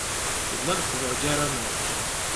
Yella leqder gar-aneɣ.